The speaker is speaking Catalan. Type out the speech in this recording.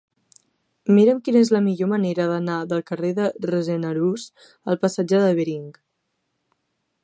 Mira'm quina és la millor manera d'anar del carrer de Rossend Arús al passatge de Bering.